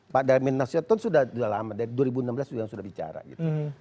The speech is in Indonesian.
pak damin nasjadon sudah lama dari dua ribu enam belas sudah bicara gitu